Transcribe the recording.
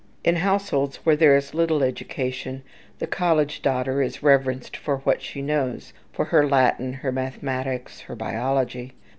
In households where there is little education, the college daughter is reverenced for what she knows, for her Latin, her mathematics, her biology.